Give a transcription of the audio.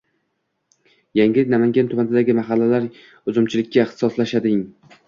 Yangi Namangan tumanidagi mahallalar uzumchilikka ixtisoslashading